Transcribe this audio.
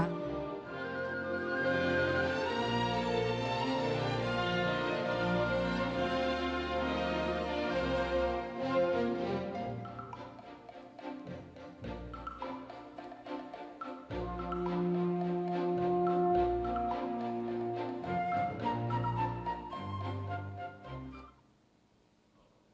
didalam jokowi nsw